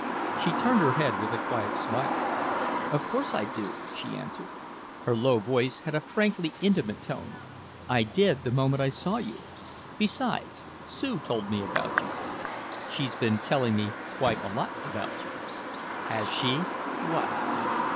She turned her head with a quiet smile. "Of course I do," she answered. Her low voice had a frankly intimate tone. "I did the moment I saw you. Besides, Sue told me about you." "She's been telling me quite a lot about you." "Has she? What?"